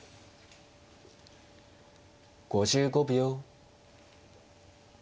５５秒。